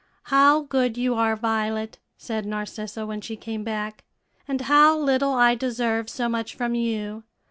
"How good you are, Violet," said Narcissa when she came back, "and how little I deserve so much from you!